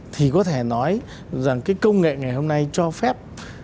thì có thể nói rằng cái công nghệ ngày hôm nay cho phép